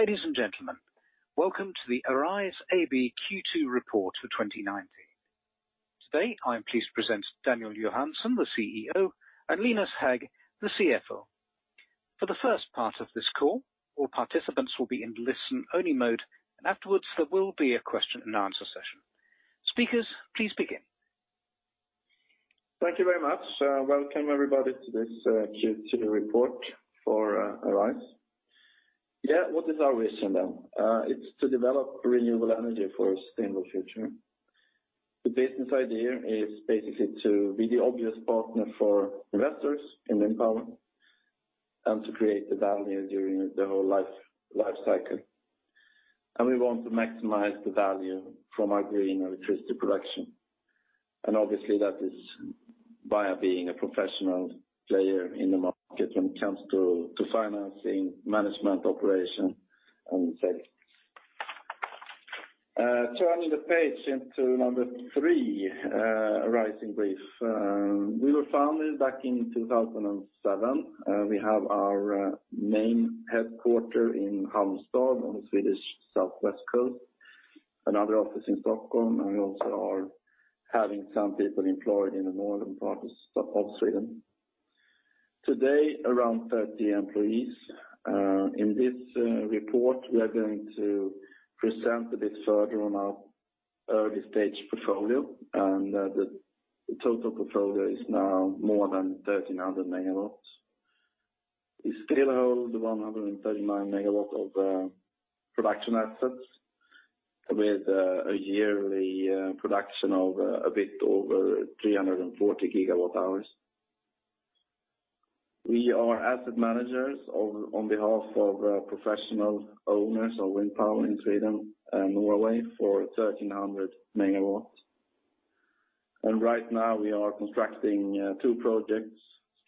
Ladies and gentlemen, welcome to the Arise AB Q2 report for 2020. Today, I am pleased to present Daniel Johansson, the CEO, and Linus Hägg, the CFO. For the first part of this call, all participants will be in listen-only mode. Afterwards, there will be a question and answer session. Speakers, please begin. Thank you very much. Welcome everybody to this Q2 report for Arise. What is our vision then? It's to develop renewable energy for a sustainable future. The business idea is basically to be the obvious partner for investors in wind power and to create the value during the whole life cycle. We want to maximize the value from our green electricity production. Obviously, that is via being a professional player in the market when it comes to financing, management, operation, and service. Turning the page into number 3, Arise in brief. We were founded back in 2007. We have our main headquarter in Halmstad on the Swedish southwest coast, another office in Stockholm, and we also are having some people employed in the northern part of Sweden. Today, around 30 employees. In this report, we are going to present a bit further on our early-stage portfolio, and the total portfolio is now more than 1,300 megawatts. We still hold 139 megawatts of production assets with a yearly production of a bit over 340 gigawatt hours. We are asset managers on behalf of professional owners of wind power in Sweden and Norway for 1,300 megawatts. Right now we are constructing two projects,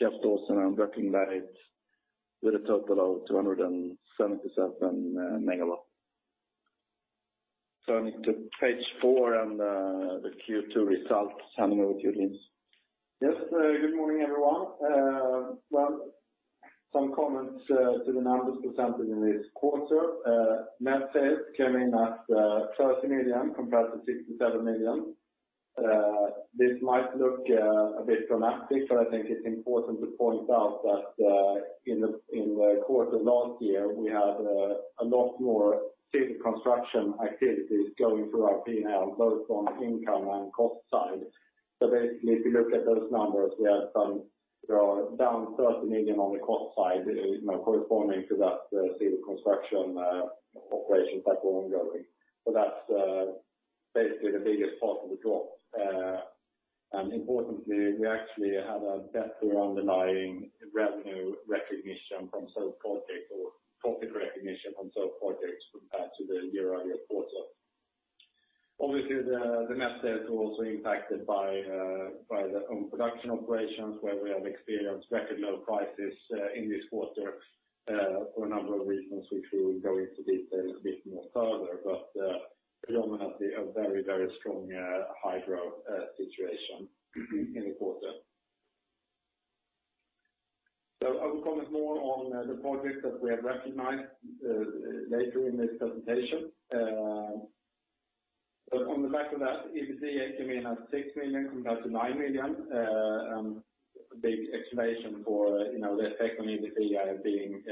Salsjöhöjden and Bröcklingeberget, with a total of 277 megawatts. Turning to page four and the Q2 results. Handing over to you, Linus. Yes, good morning, everyone. Some comments to the numbers presented in this quarter. Net sales came in at 30 million compared to 67 million. This might look a bit dramatic, I think it's important to point out that in the quarter last year, we had a lot more civil construction activities going through our P&L, both on income and cost side. If you look at those numbers, we are down 30 million on the cost side, corresponding to that civil construction operations that were ongoing. That's basically the biggest part of the drop. Importantly, we actually had a better underlying revenue recognition from sold projects or profit recognition from sold projects compared to the year earlier quarter. The net debt was also impacted by the own production operations where we have experienced record low prices in this quarter for a number of reasons, which we will go into detail a bit more further. Predominantly a very strong hydro situation in the quarter. I will comment more on the projects that we have recognized later in this presentation. On the back of that, EBITDA came in at 6 million compared to 9 million. A big explanation for the effect on EBITDA being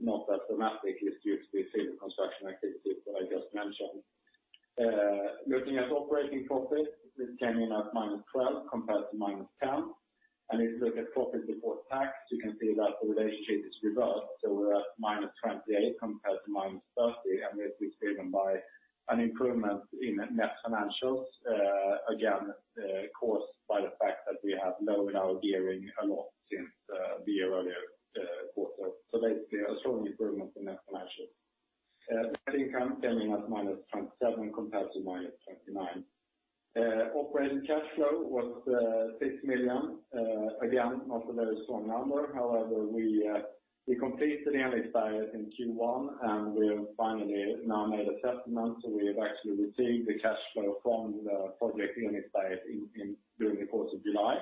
not that dramatic is due to the civil construction activities that I just mentioned. Looking at operating profit, this came in at -12 million compared to -10 million. If you look at profit before tax, you can see that the relationship is reversed, we're at -28 compared to -30, and that's driven by an improvement in net financials, again, caused by the fact that we have lowered our gearing a lot since the year earlier quarter. Basically, a strong improvement in net financials. Net income came in at -27 compared to -29. Operating cash flow was 6 million. Not a very strong number. We completed Enviksberget in Q1, and we have finally now made a settlement, we have actually received the cash flow from the project Enviksberget during the course of July.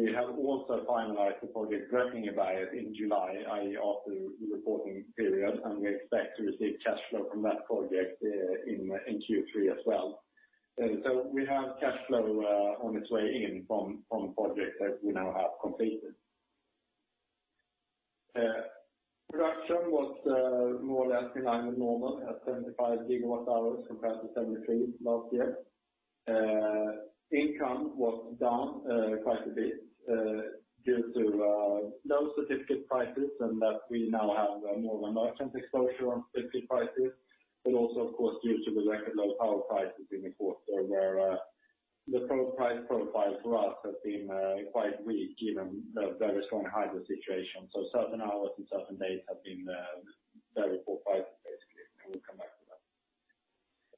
We have also finalized the project Bröcklingeberget in July, i.e., after the reporting period, and we expect to receive cash flow from that project in Q3 as well. We have cash flow on its way in from projects that we now have completed. Production was more or less in line with normal at 75 gigawatt hours compared to 73 last year. Income was down quite a bit due to low certificate prices and that we now have more of a merchant exposure on certificate prices, but also, of course, due to the record low power prices in the quarter where the price profile for us has been quite weak given the very strong hydro situation. Certain hours and certain days have been very poor prices basically, and we'll come back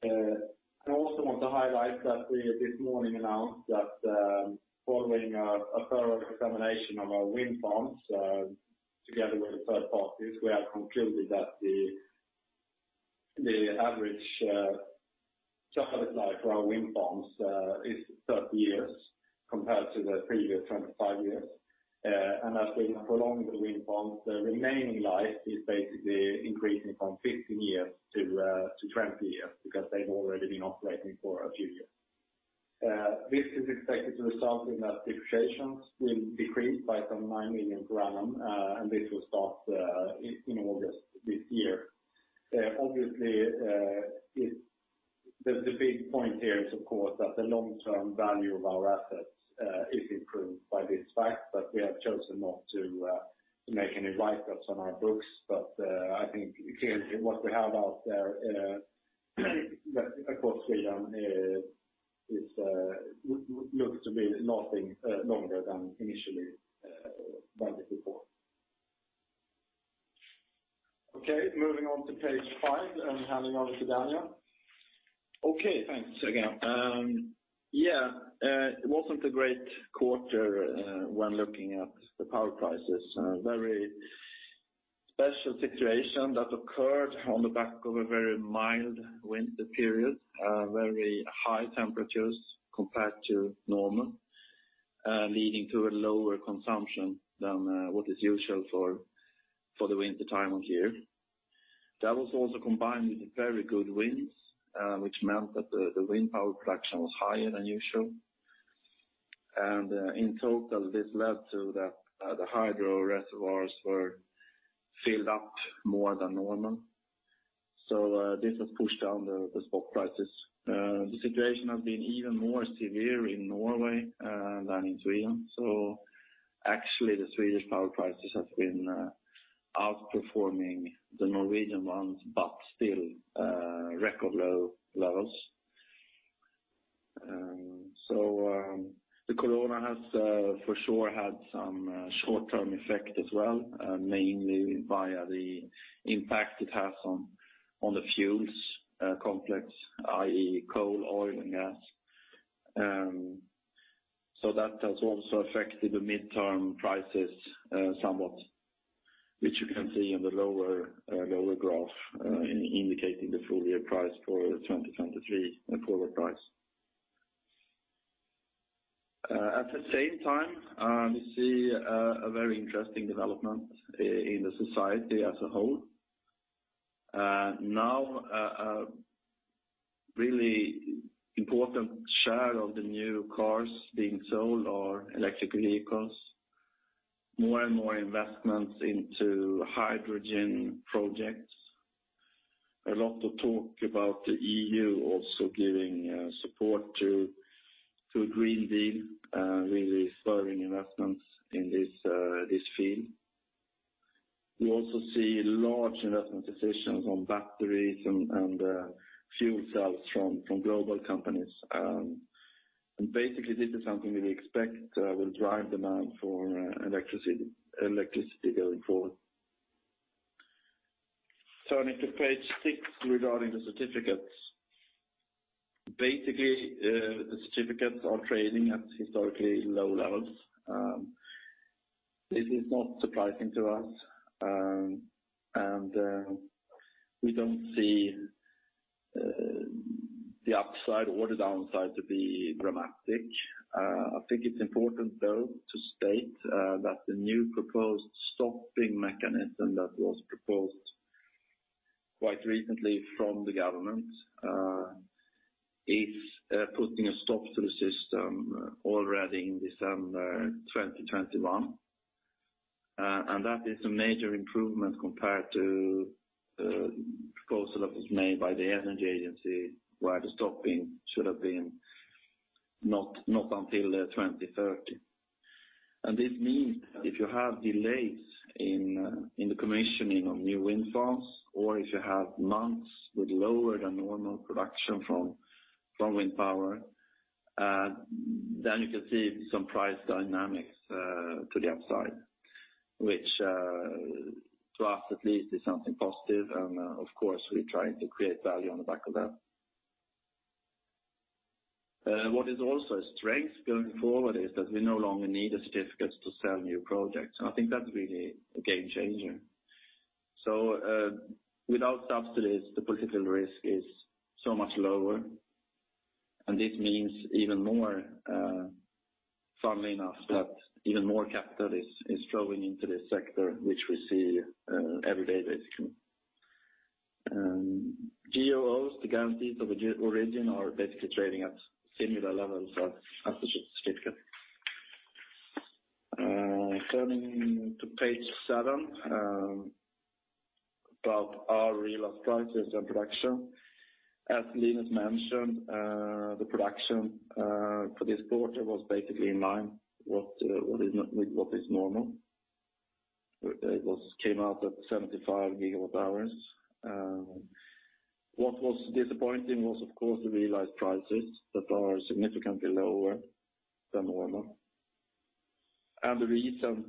to that. I also want to highlight that we this morning announced that following a thorough examination of our wind farms together with third parties, we have concluded. The average shelf life for our wind farms is 30 years compared to the previous 25 years. As we prolong the wind farms, the remaining life is basically increasing from 15 years to 20 years because they've already been operating for a few years. This is expected to result in that depreciations will decrease by some 9 million per annum, and this will start in August this year. The big point here is, of course, that the long-term value of our assets is improved by this fact, but we have chosen not to make any write-ups on our books. I think clearly what we have out there, of course, [we learn], looks to be nothing longer than initially budgeted for. Moving on to page five and handing over to Daniel. Okay, thanks again. It wasn't a great quarter when looking at the power prices. A very special situation that occurred on the back of a very mild winter period, very high temperatures compared to normal, leading to a lower consumption than what is usual for the winter time of year. That was also combined with very good winds, which meant that the wind power production was higher than usual. In total, this led to the hydro reservoirs were filled up more than normal. This has pushed down the spot prices. The situation has been even more severe in Norway than in Sweden. Actually the Swedish power prices have been outperforming the Norwegian ones, but still record low levels. The COVID has for sure had some short-term effect as well, mainly via the impact it has on the fuels complex, i.e., coal, oil, and gas. That has also affected the midterm prices somewhat, which you can see in the lower graph indicating the full year price for 2023 and forward price. At the same time, we see a very interesting development in the society as a whole. Now a really important share of the new cars being sold are electric vehicles. More and more investments into hydrogen projects. A lot of talk about the EU also giving support to a Green Deal, really spurring investments in this field. We also see large investment decisions on batteries and fuel cells from global companies. Basically this is something that we expect will drive demand for electricity going forward. Turning to page six regarding the certificates. Basically, the certificates are trading at historically low levels. This is not surprising to us, and we don't see the upside or the downside to be dramatic. I think it's important, though, to state that the new proposed stopping mechanism that was proposed quite recently from the government, is putting a stop to the system already in December 2021. That is a major improvement compared to the proposal that was made by the Energy Agency, where the stopping should have been not until 2030. This means that if you have delays in the commissioning of new wind farms, or if you have months with lower than normal production from wind power, you can see some price dynamics to the upside, which to us at least is something positive, and of course, we're trying to create value on the back of that. What is also a strength going forward is that we no longer need the certificates to sell new projects. I think that's really a game changer. Without subsidies, the political risk is so much lower, and this means even more, funnily enough, that even more capital is flowing into this sector, which we see every day, basically. GOOs, the Guarantees of Origin, are basically trading at similar levels as the certificate. Turning to page seven, about our realized prices and production. As Linus mentioned, the production for this quarter was basically in line with what is normal. It came out at 75 gigawatt hours. What was disappointing was, of course, the realized prices that are significantly lower than normal. The reason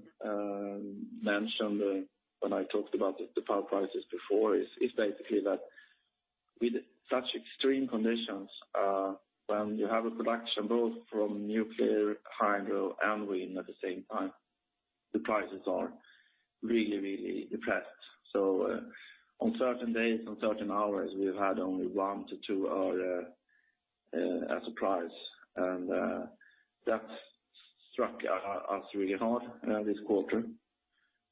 mentioned when I talked about the power prices before is basically that with such extreme conditions, when you have a production both from nuclear, hydro, and wind at the same time. The prices are really depressed. On certain days, on certain hours, we've had only one to two hour as a price. That's struck us really hard this quarter.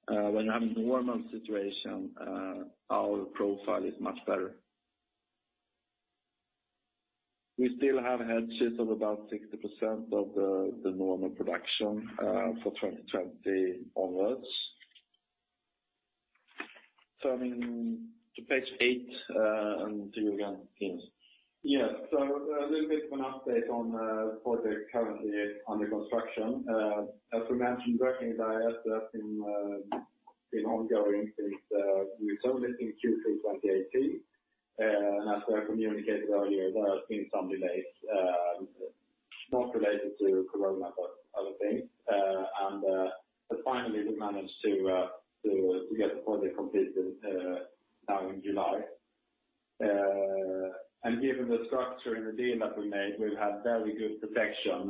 When you have a normal situation, our profile is much better. We still have hedges of about 60% of the normal production, for 2020 onwards. Turning to page eight, and to you again, Linus. Yes. A little bit of an update on the project currently under construction. As we mentioned, Bröcklingeberget has been ongoing since we sold it in Q3 2018. As we have communicated earlier, there has been some delays, not related to COVID, but other things. Finally, we managed to get the project completed now in July. Given the structure and the deal that we made, we've had very good protection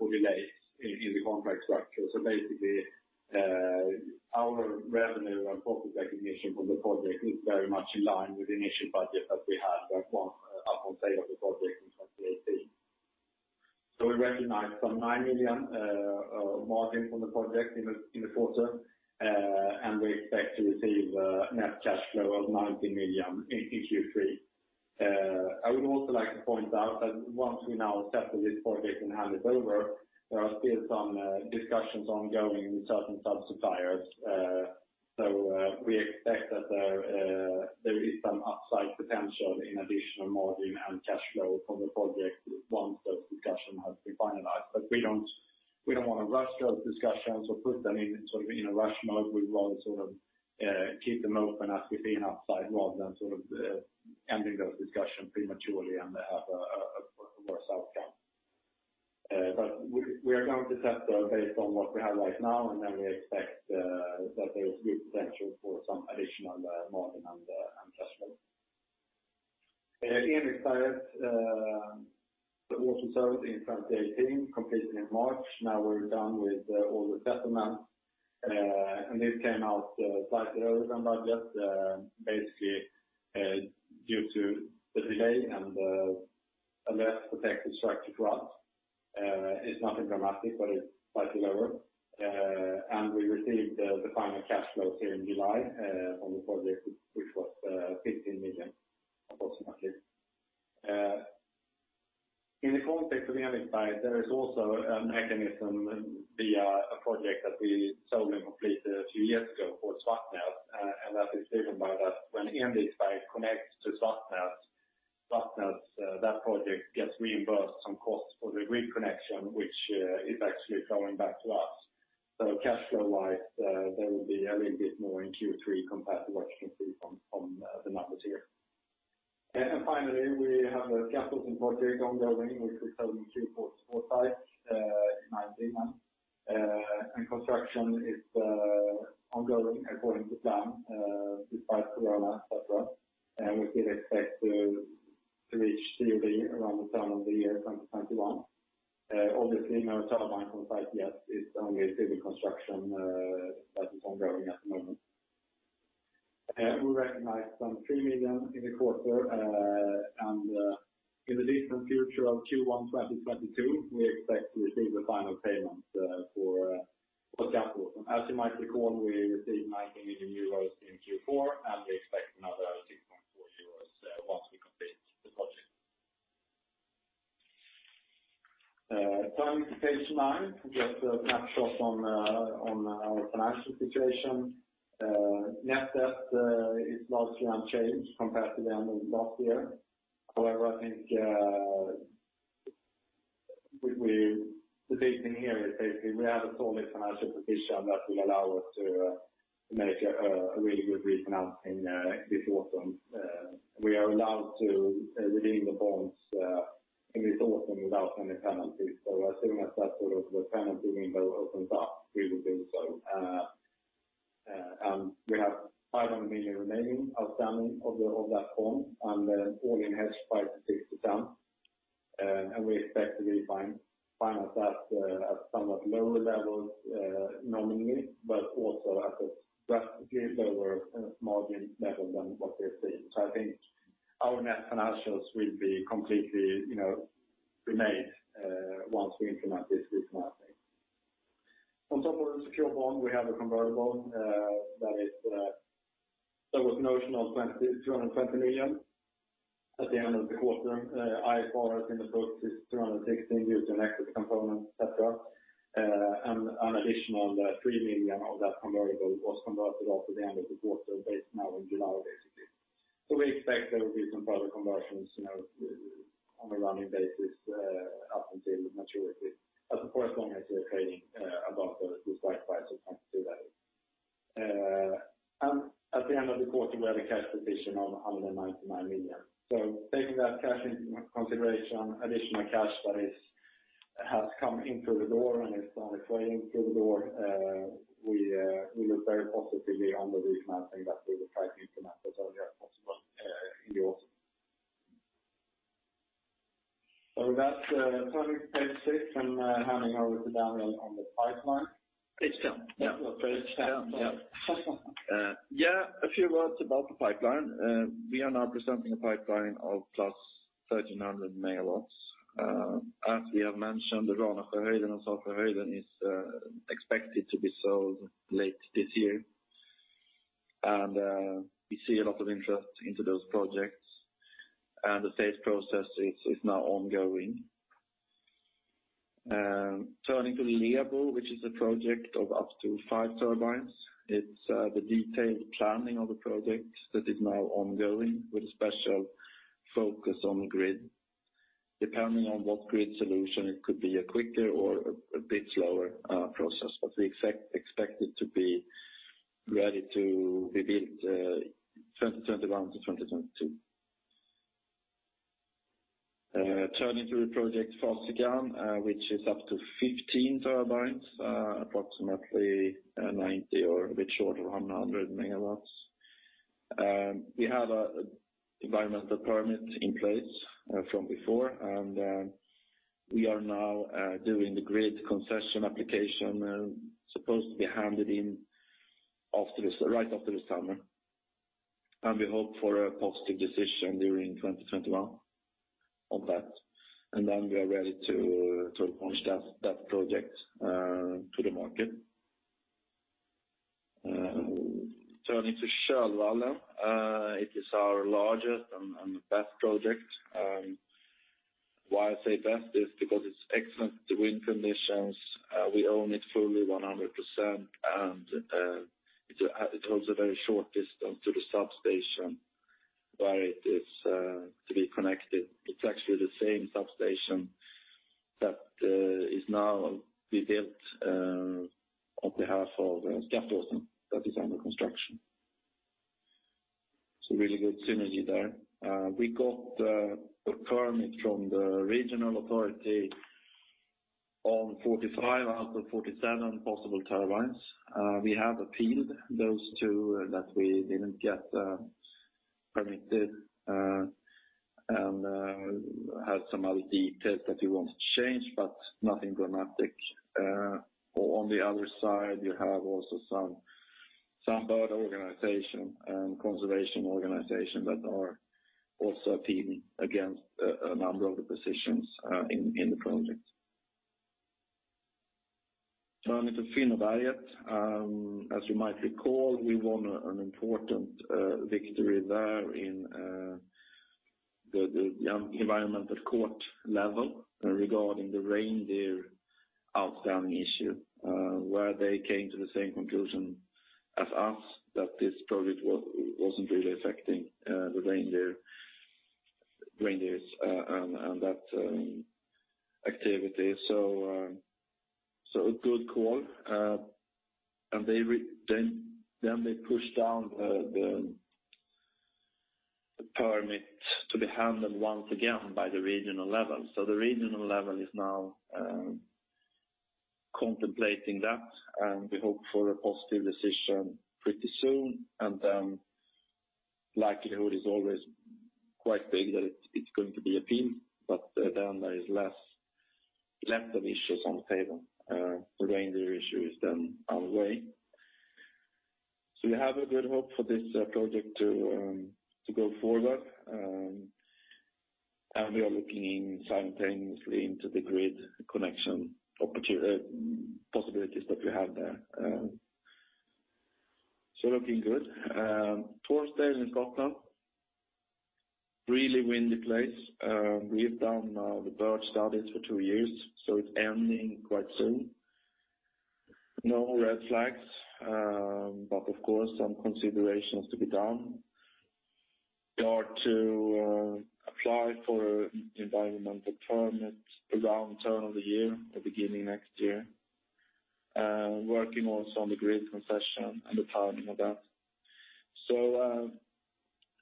for delays in the contract structure. Basically, our revenue and profit recognition from the project is very much in line with the initial budget that we had at [one up on sale] of the project in 2018. We recognized some 9 million of margin from the project in the quarter, and we expect to receive a net cash flow of 90 million in Q3. I would also like to point out that once we now settle this project and hand it over, there are still some discussions ongoing with certain sub-suppliers. We expect that there is some upside potential in additional margin and cash flow from the project once those discussions have been finalized. We don't want to rush those discussions or put them in sort of in a rush mode. We'd rather sort of, keep them open as we see an upside rather than sort of ending those discussions prematurely and have a worse outcome. We are going to test based on what we have right now, then we expect that there is good potential for some additional margin and cash flow. The Enviksberget was also sold in 2018, completed in March. Now we're done with all the settlements. It came out slightly over from budget, basically, due to the delay and a less protected structure to us. It's nothing dramatic, but it's slightly lower. We received the final cash flows here in July, from the project, which was 15 million, approximately. In the context of the Enel side, there is also a mechanism via a project that we sold and completed a few years ago for Svartnäs, and that is driven by that when Enel side connects to Svartnäs, that project gets reimbursed some costs for the grid connection, which is actually going back to us. Cash flow-wise, there will be a little bit more in Q3 compared to what you can see from the numbers here. Finally, we have a capital project ongoing, which we sold in Q4 2019. Construction is ongoing according to plan, despite corona, et cetera. We still expect to reach COD around the turn of the year 2021. Obviously, no turbines on site yet. It's only a civil construction that is ongoing at the moment. We recognized some SEK 3 million in the quarter. In the distant future of Q1 2022, we expect to receive the final payment for capital. As you might recall, we received EUR 90 million in Q4, and we expect another EUR 6.4 once we complete the project. Turning to page nine, just a snapshot on our financial situation. Net debt is largely unchanged compared to the end of last year. However, I think the big thing here is basically we have a solid financial position that will allow us to make a really good refinance in this autumn. We are allowed to redeem the bonds in this autumn without any penalties. As soon as that sort of penalty window opens up, we will do so. We have 500 million remaining outstanding of that bond and then all in hedge 5%-6%. We expect to refinance that at somewhat lower levels nominally, but also at a drastically lower margin level than what we've seen. I think our net financials will be completely remade, once we implement this refinancing. On top of the secure bond, we have a convertible, that was notional 220 million at the end of the quarter. IFRS has been [approached] to SEK 216 due to an exit component, et cetera. An additional 3 million of that convertible was converted after the end of the quarter based now in July, basically. We expect there will be some further conversions on a running basis, up until maturity, as long as we're trading above the strike price of today. At the end of the quarter, we had a cash position of 199 million. Taking that cash into consideration, additional cash that has come in through the door and is on its way in through the door, we look very positively on the refinancing that we will try to implement as early as possible, in the autumn. With that, [turning to page six] and handing over to Daniel on the pipeline. It's done. Yeah. It's done. Yeah. Yeah. A few words about the pipeline. We are now presenting a pipeline of plus 1,300 megawatts. As we have mentioned, Ranasjöhöjden and Salsjöhöjden is expected to be sold late this year. We see a lot of interest into those projects, and the sales process is now ongoing. Turning to Lebo which is a project of up to five turbines. It's the detailed planning of the project that is now ongoing, with a special focus on grid. Depending on what grid solution, it could be a quicker or a bit slower process. We expect it to be ready to be built 2021 to 2022. Turning to the project Fasikan, which is up to 15 turbines, approximately 90 or a bit short of 100 megawatts. We have an environmental permit in place from before. We are now doing the grid concession application, supposed to be handed in right after the summer. We hope for a positive decision during 2021 on that. We are ready to launch that project to the market. Turning to Kölvallen. It is our largest and best project. Why I say best is because it's excellent wind conditions. We own it fully 100%, and it holds a very short distance to the substation where it is to be connected. It's actually the same substation that is now being built on behalf of Statkraft, that is under construction. Really good synergy there. We got the permit from the regional authority on 45 out of 47 possible turbines. We have appealed those two that we didn't get permitted, and have some other details that we want to change, but nothing dramatic. On the other side, you have also some bird organization and conservation organization that are also appealing against a number of the positions in the project. Turning to Finnberget. As you might recall, we won an important victory there in the environmental court level regarding the reindeer husbandry issue, where they came to the same conclusion as us, that this project wasn't really affecting the reindeers and that activity. A good call. They pushed down the permit to be handled once again by the regional level. The regional level is now contemplating that, and we hope for a positive decision pretty soon. Likelihood is always quite big that it's going to be appealed, there is less of issues on the table. The reindeer issue is then out of the way. We have a good hope for this project to go forward. We are looking simultaneously into the grid connection possibilities that we have there. Looking good. Tormsdale in Scotland, really windy place. We've done the bird studies for two years, so it's ending quite soon. No red flags. Of course, some considerations to be done. We are to apply for environmental permit around turn of the year or beginning of next year. Working also on the grid concession and the timing of that.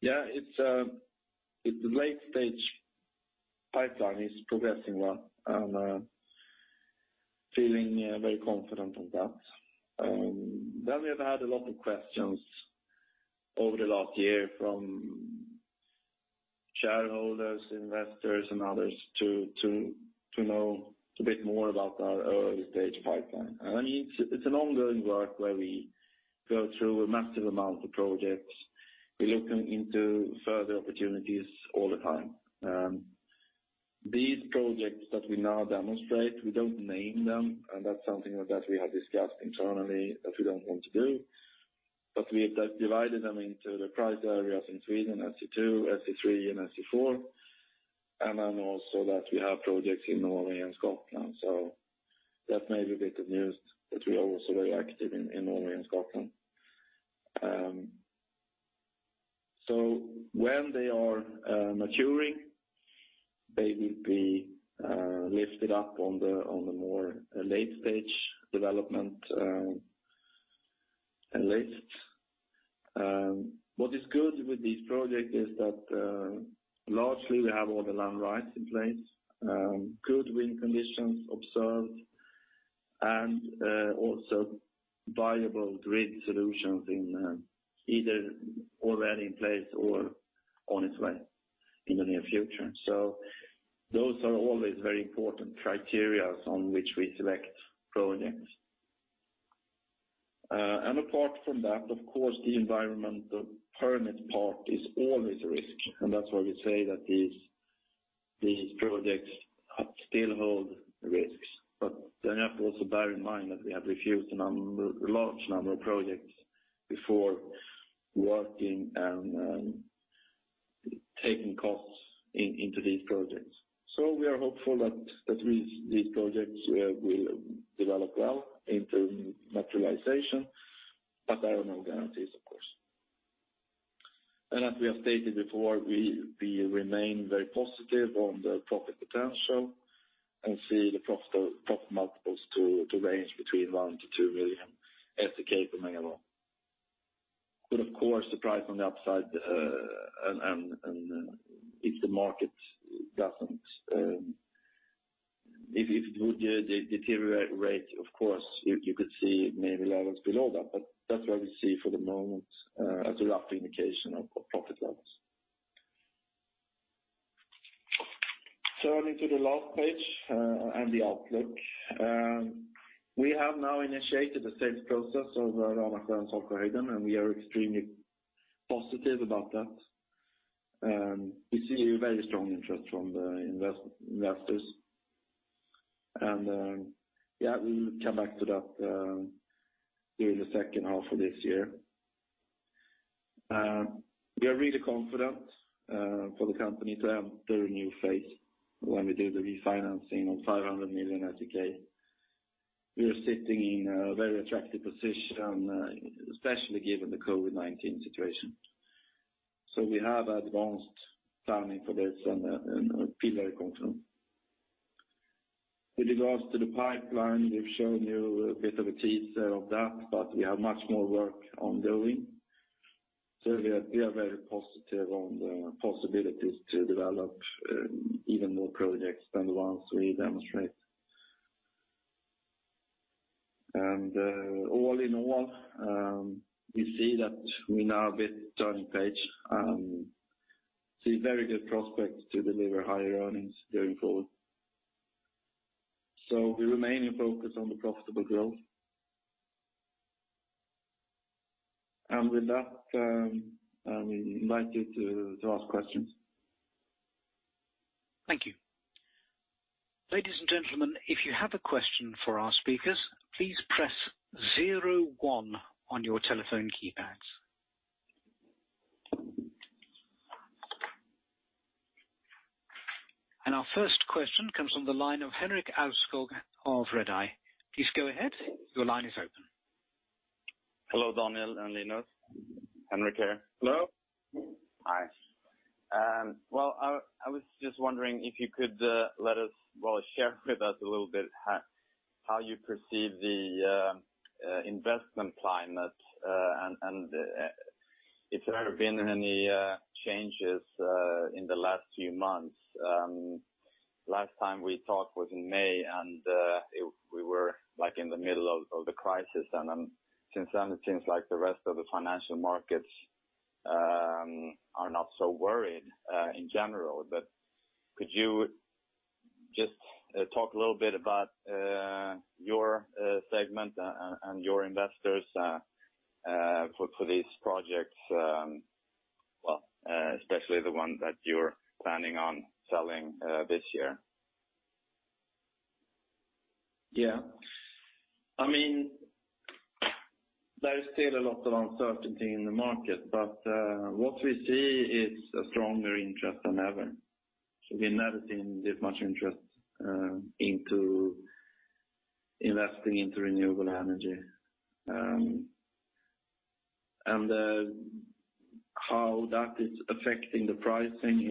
Yeah, it's the late stage pipeline is progressing well. I'm feeling very confident on that. We have had a lot of questions over the last year from shareholders, investors, and others to know a bit more about our early stage pipeline. It's an ongoing work where we go through a massive amount of projects. We're looking into further opportunities all the time. These projects that we now demonstrate, we don't name them, and that's something that we have discussed internally that we don't want to do. We have divided them into the price areas in Sweden, SE2, SE3 and SE4. We also have projects in Norway and Scotland, so that may be a bit of news that we are also very active in Norway and Scotland. When they are maturing, they will be lifted up on the more late stage development list. What is good with this project is that, largely we have all the land rights in place. Good wind conditions observed. Also viable grid solutions in either already in place or on its way in the near future. Those are always very important criteria on which we select projects. Apart from that, of course, the environmental permit part is always a risk, and that's why we say that these projects still hold risks. You have to also bear in mind that we have refused a large number of projects before working and taking costs into these projects. We are hopeful that these projects will develop well into materialization, but there are no guarantees, of course. As we have stated before, we remain very positive on the profit potential and see the profit multiples to range between 1 million-2 million per megawatt. Of course, the price on the upside, and if the market would deteriorate, of course, you could see maybe levels below that, but that's what we see for the moment as a rough indication of profit levels. Turning to the last page and the outlook. We have now initiated the sales process of Ranasjö and Salsjöhöjden, we are extremely positive about that. We see very strong interest from the investors. We will come back to that during the second half of this year. We are really confident for the company to enter a new phase when we do the refinancing of 500 million SEK. We are sitting in a very attractive position, especially given the COVID-19 situation. We have advanced planning for this and feel very confident. With regards to the pipeline, we've shown you a bit of a teaser of that, but we have much more work ongoing. We are very positive on the possibilities to develop even more projects than the ones we demonstrate. All in all, we see that we're now a bit turning page, and see very good prospects to deliver higher earnings going forward. We remain focused on the profitable growth. With that, I'll invite you to ask questions. Thank you. Ladies and gentlemen, if you have a question for our speakers, please press 01 on your telephone keypads. Our first question comes from the line of Henrik Alveskog of Redeye. Please go ahead. Your line is open. Hello, Daniel and Linus. Henrik here. Hello. Hi. Well, I was just wondering if you could share with us a little bit how you perceive the investment climate, and if there have been any changes in the last few months. Last time we talked was in May, and we were in the middle of the crisis, and since then it seems like the rest of the financial markets are not so worried in general. Could you just talk a little bit about your segment and your investors for these projects, especially the one that you're planning on selling this year? Yeah. There is still a lot of uncertainty in the market, but what we see is a stronger interest than ever. We've never seen this much interest into investing into renewable energy. How that is affecting the pricing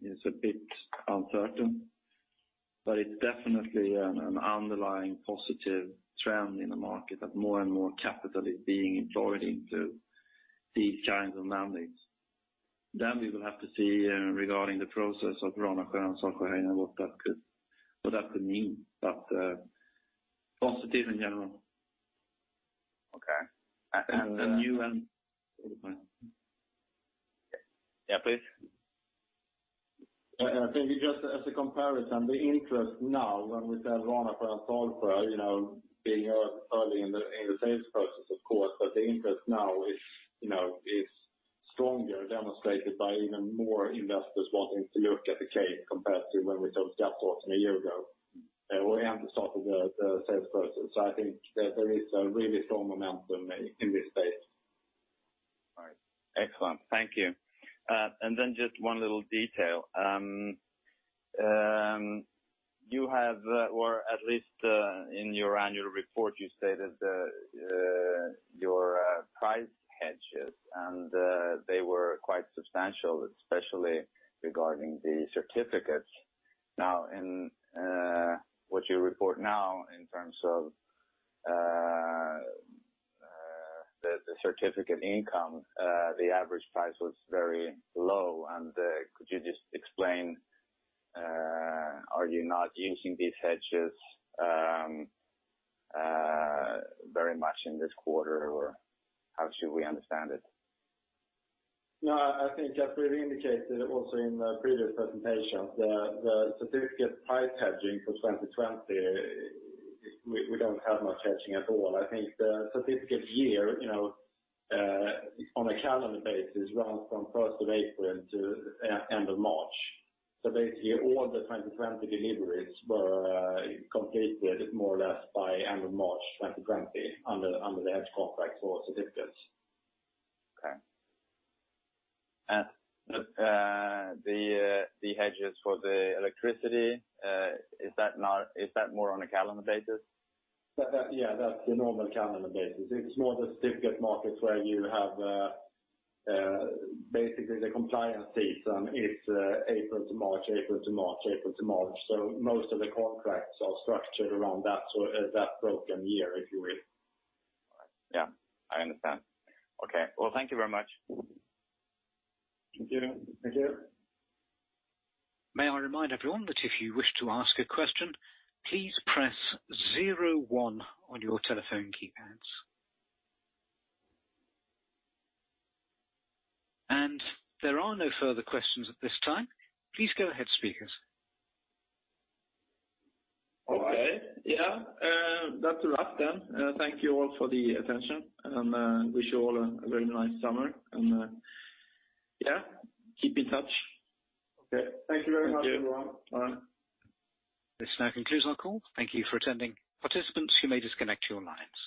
is a bit uncertain, but it's definitely an underlying positive trend in the market that more and more capital is being employed into these kinds of mandates. We will have to see regarding the process of Ranaskär and Saltkärrheden, what that could mean, but positive in general. Okay. A new one. Yeah, please. I think just as a comparison, the interest now when we sell Ranaskär and Saltkärrheden, being early in the sales process, of course, but the interest now is stronger, demonstrated by even more investors wanting to look at the case compared to when we sold Jädraås a year ago. We are at the start of the sales process, so I think there is a really strong momentum in this space. All right. Excellent. Thank you. Then just one little detail. You have or at least in your annual report, you stated your price hedges, and they were quite substantial, especially regarding the certificates. Now, in what you report now in terms of the certificate income, the average price was very low and could you just explain, are you not using these hedges very much in this quarter, or how should we understand it? I think as we've indicated also in the previous presentation, the certificate price hedging for 2020, we don't have much hedging at all. I think the certificate year, on a calendar basis, runs from 1st of April to end of March. Basically all the 2020 deliveries were completed more or less by end of March 2020 under the hedge contract for certificates. Okay. The hedges for the electricity, is that more on a calendar basis? Yeah, that's the normal calendar basis. It's more the certificate markets where you have basically the compliance season, it's April to March, April to March, April to March. Most of the contracts are structured around that broken year, if you will. Yeah, I understand. Okay. Well, thank you very much. Thank you. May I remind everyone that if you wish to ask a question, please press zero one on your telephone keypads. There are no further questions at this time. Please go ahead, speakers. Okay. Yeah. That's a wrap then. Thank you all for the attention and wish you all a very nice summer and, yeah, keep in touch. Okay. Thank you very much, everyone. Bye. This now concludes our call. Thank you for attending. Participants, you may disconnect your lines.